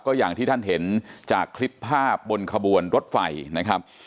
ก็อย่างที่ท่านเห็นจากคลิปภาพบนขบวนรถไฟนะครับ